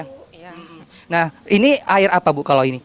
nah ini air apa bu kalau ini